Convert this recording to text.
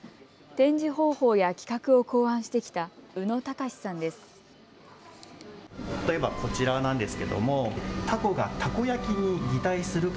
展示方法や企画を考案してきた宇野喬さんです。